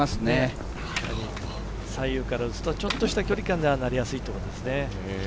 左右から打つと、ちょっとした距離感でああなりやすいということですね。